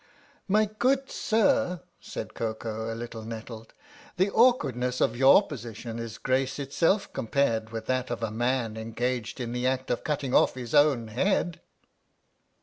53 THE STORY OF THE MIKADO " My good sir," said Koko, a little nettled, " the awkwardness of your position is grace itself com pared with that of a man engaged in the act of cutting off his own head."